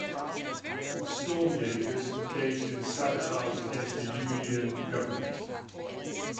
The "Stormjaers" engaged in sabotage against the Union government.